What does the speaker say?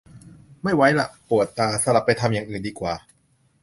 ไม่ไหวละ ปวดตา สลับไปทำอย่างอื่นดีกว่า